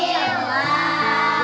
ngapain sih pada disini